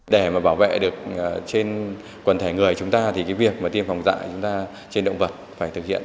để bảo vệ được trên quần thể người chúng ta thì việc tiêm phòng dại trên động vật phải thực hiện